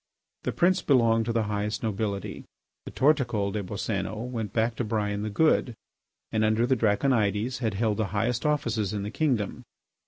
The prince belonged to the highest nobility. The Torticol des Boscénos went back to Brian the Good, and under the Draconides had held the highest offices in the kingdom.